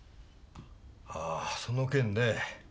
ああその件ね。